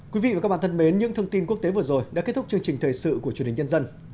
quý vị và các bạn thân mến những thông tin quốc tế vừa rồi đã kết thúc chương trình thời sự của truyền hình nhân dân